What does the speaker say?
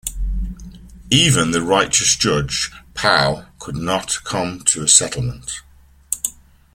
Even the righteous Judge Pao could not come to a settlement.